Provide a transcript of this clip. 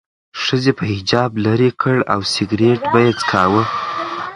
ښځې به حجاب لرې کړ او سیګرټ به څکاوه.